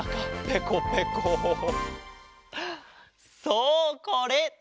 そうこれ！